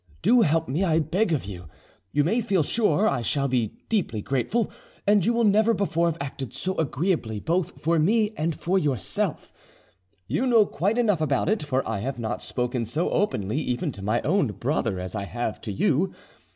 Do help me, I beg of you; you may feel sure I shall be deeply grateful, and you will never before have acted so agreeably both for me and for yourself. You know quite enough about it, for I have not spoken so openly even to my own brother as I have to you.